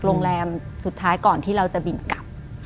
โรงแรมสุดท้ายก่อนที่เราจะบินกลับ